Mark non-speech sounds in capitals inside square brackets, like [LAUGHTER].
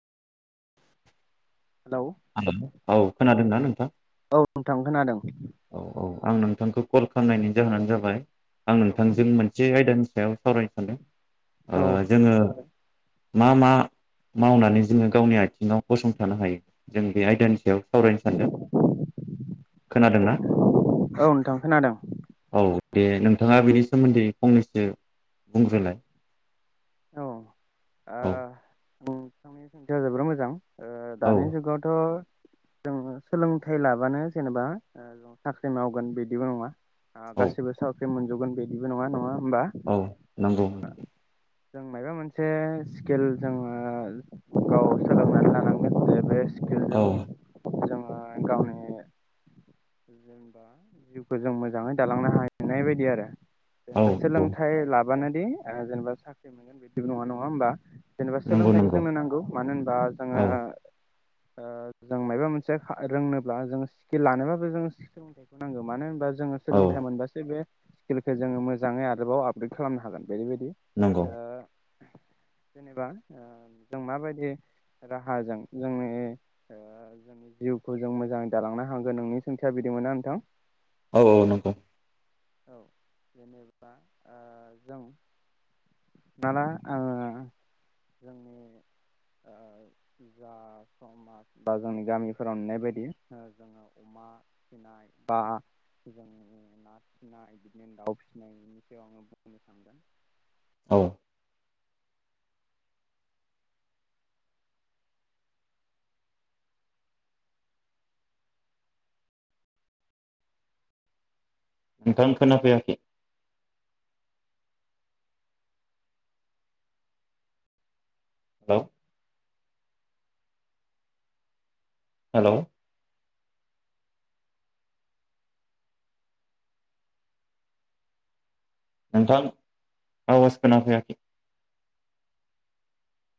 Hello hello औ खोनादों ना? [INAUDIBLE] औ नोंथां खोनादों। औ औ आं नोंथांखौ कल खालामनायनि जाहोनानो जाबाय आं औ नोंथांजों मोनसे आयदानि [UNINTELLIGIBLE] सावरायनो सानदों औ ओ जोङो मा मा मावनानै जोङो गावनि आथिङाव गसंथानो हायो जों बे आयदानि सायाव सावरायनो सानदों औ खोनादोंना? औ नोंथां खोनादों औ दे नोंथाङा बेनि सोमोन्दै फंनैसो बुंग्रोलाय औ ओ ओ औ नोंथांनि सोंथिया जोबोर मोजां ओ औ दानि जुगावथ' जों सोलोंथाइ लाबानो जेनेबा ओ साख्रि मावगोन बिदिबो नङा आ औ गसिबो सा ख्रि मोनजोबगोन बिदिबो नङा नङा होमबा औ ओ नंगौ नोंथां जों मायबा मोनसे स्किल जोङो गाव सोलोंनानै लानांगोन जे बे औ स्किलजों जोङो ओ गावनि जेनेबा जिउखौ जों मोजाङै दालांनो हानाय बायदि आरो औ जेनेवा नंगौ सोलोंथाइ ला बानोदि जेनेबा साख्रि मोनगोन बिदिबो नङा नङा होमबा जेनेबा नंगौ सोलोंथाइखौ नंगौ जोंनो नांगौ मानो होनबा जोङो औ ओ जों माबा खा मोनसे रोंनोब्ला जों स्किल लानोबाबो जों स्किल नांगौ मानो होनबा जो ङो औ सोलोंथाइ मोनबासो बे स्किलखौ जोंङो मोजांङै आरोबाव आपग्रेड खालामनो हागोन बेबायदि नंगौ ओ जेनेबा ओ जों माबायदि राहाजों जोंनि ओ जोंनि जिउखौ जों मोजांङै दालांनो हागोन नोंनि सोंथिया बिदिमोन नोंथां? औ - औ नंगौ औ जेनेबा ओ जों हमना ला आंङो जोंनि ओ जा समाज बा जोंनि गामिफोराव नुनाय बायदि ओ जोंङो अमा फिनाय बा जोंनि ना फिसिनाय बिदिनो दाउ फिसिनाय बेनि सायाव आंङो बुंनो सानदों। औ नोंथां खोनाफैयाखै हेलौ हेलौ नोंथां आवाज खोनाफैयाखै